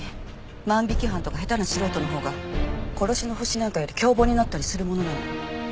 万引き犯とか下手な素人のほうが殺しのホシなんかより凶暴になったりするものなの。